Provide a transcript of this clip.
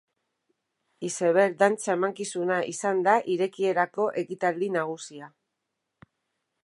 Iceberg dantza emankizuna izan da irekierako ekitaldi nagusia.